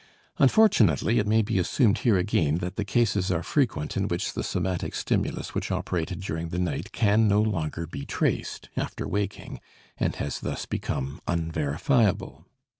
Unfortunately it may be assumed here again that the cases are frequent in which the somatic stimulus which operated during the night can no longer be traced after waking, and has thus become unverifiable.